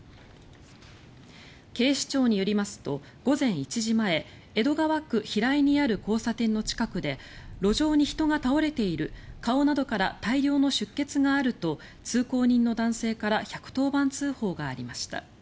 警視庁によりますと午前１時前江戸川区平井にある交差点の近くで路上に人が倒れている顔などから大量の出血があると通行人の男性から１１０番通報がありました。